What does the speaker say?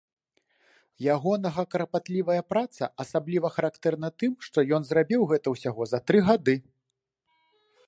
Ягонага карпатлівая праца асабліва характэрна тым, што ён зрабіў гэта ўсяго за тры гады.